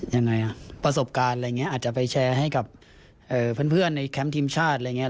ยังไงอ่ะประสบการณ์อะไรอย่างนี้อาจจะไปแชร์ให้กับเพื่อนในแคมป์ทีมชาติอะไรอย่างนี้